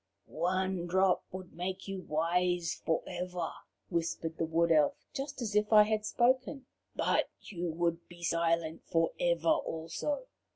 "One drop would make you wise for ever," whispered the Wood Elf, just as if I had spoken, "but you would be silent for ever, also.